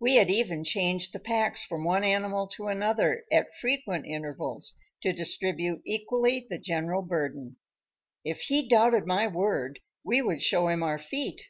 We had even changed the packs from one animal to another at frequent intervals to distribute equally the general burden. If he doubted my word we would show him our feet.